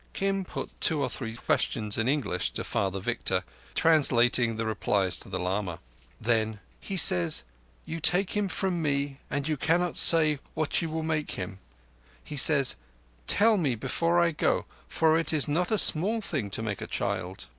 Kim put two or three questions in English to Father Victor, translating the replies to the lama. Then: "He says, 'You take him from me and you cannot say what you will make him.' He says, 'Tell me before I go, for it is not a small thing to make a child.